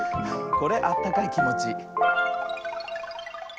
これあったかいきもち。